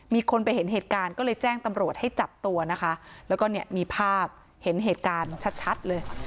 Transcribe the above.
มีคนไปเห็นเหตุการณ์ก็เลยแจ้งตำรวจให้จับตัวนะคะแล้วก็เนี่ยมีภาพเห็นเหตุการณ์ชัดเลย